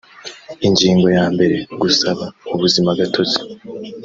ingingo ya mbere gusaba ubuzima gatozi